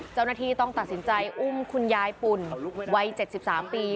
เจ้าหน้าที่ต้องตัดสินใจอุ้มคุณยายปุ่นวัย๗๓ปี